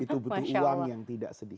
itu butuh uang yang tidak sedikit